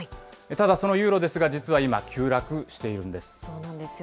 ただ、そのユーロですが、実は今、急落しているんです。